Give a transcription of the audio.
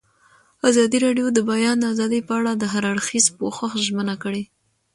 ازادي راډیو د د بیان آزادي په اړه د هر اړخیز پوښښ ژمنه کړې.